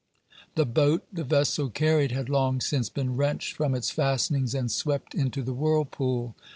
The boat the vessel carried had long since been wrenched from its fastenings and swept into the whirlpool.